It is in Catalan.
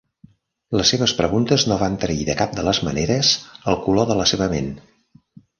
Les seves preguntes no van trair de cap de les maneres el color de la seva ment.